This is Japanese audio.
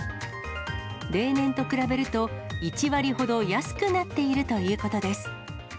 例年と比べると、１割ほど安くなっているということです。